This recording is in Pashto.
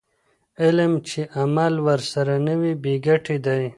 علم چې عمل ورسره نه وي بې ګټې دی.